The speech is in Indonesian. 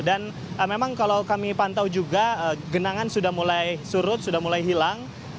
dan memang kalau kami pantau juga genangan sudah mulai surut sudah mulai hilang